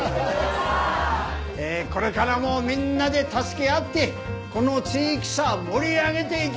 えーこれからもみんなで助け合ってこの地域さ盛り上げていきましょう！